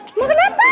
eh ma kenapa bengik